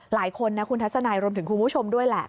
หลายคนนะคุณทัศนัยรวมถึงคุณผู้ชมด้วยแหละ